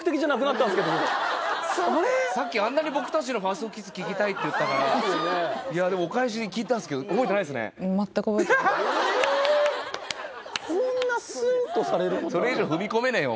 さっきあんなに僕達のファーストキス聞きたいって言ったからいやでもお返しに聞いたんですけどそんなスーッとされることそれ以上踏み込めねえよ